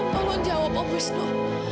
tolong jawab om wisnu